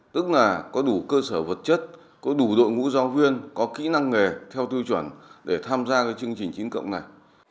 tức là có đủ cơ sở vật chất có đủ đội ngũ giáo viên có kỹ năng nghề theo tư chuẩn để tham gia chương trình chín cộng này